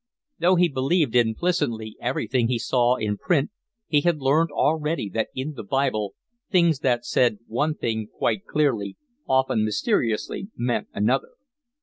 Though he believed implicitly everything he saw in print, he had learned already that in the Bible things that said one thing quite clearly often mysteriously meant another.